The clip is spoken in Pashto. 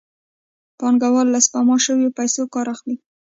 پانګوال له سپما شویو پیسو کار اخلي